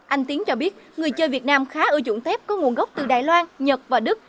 anh tiến cho biết người chơi việt nam khá ưa dụng tép có nguồn gốc từ đài loan nhật và đức